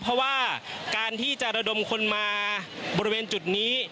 เพราะว่าการที่จะระดมคนมาบริเวณจุดนี้